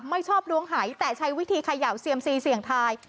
ไม่ชอบลวงหายแต่ใช้วิธีเขย่าเสียงทาย